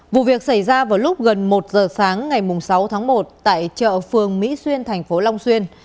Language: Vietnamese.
vụ việc xảy ra vào lúc gần một giờ sáng ngày sáu tháng một tại chợ phường mỹ xuyên thành phố long xuyên